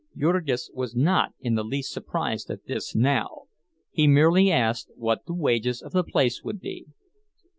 Jurgis was not in the least surprised at this now—he merely asked what the wages of the place would be.